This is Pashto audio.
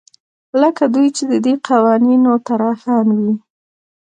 لکه دوی چې د دې قوانینو طراحان وي.